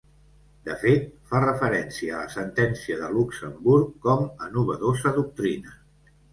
De fet, fa referència a la sentència de Luxemburg com a ‘novedosa doctrina’.